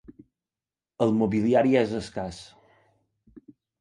El mobiliari és escàs.